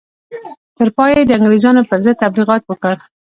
تر پایه یې د انګرېزانو پر ضد تبلیغات وکړل.